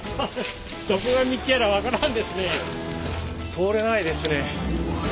通れないですね。